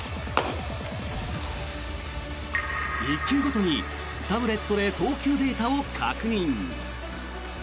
１球ごとにタブレットで投球データを確認。